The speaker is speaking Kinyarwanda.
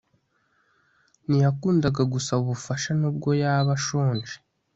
Ntiyakundaga gusaba ubufasha nubwo yaba ashonje